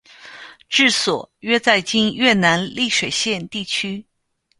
治所约在今越南丽水县地区。